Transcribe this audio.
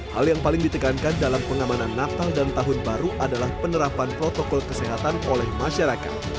hal yang paling ditekankan dalam pengamanan natal dan tahun baru adalah penerapan protokol kesehatan oleh masyarakat